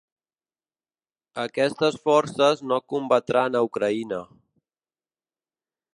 Aquestes forces no combatran a Ucraïna.